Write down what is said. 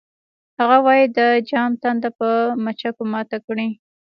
هغه وایی د جام تنده په مچکو ماته کړئ